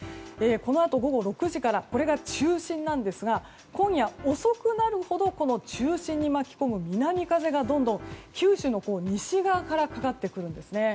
このあと午後６時からこれが中心なんですが今夜遅くなるほど中心に巻き込む南風が、どんどん九州の西側からかかってくるんです。